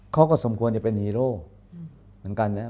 เขาก็สมควรอย่าเป็นฮีโร่เหมือนกันเนี่ย